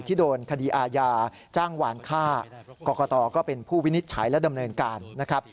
ที่โดนคดีอาญาจ้างวานฆ่ากรกตก็เป็นผู้วินิจฉัยและดำเนินการนะครับ